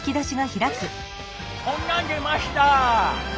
こんなん出ました。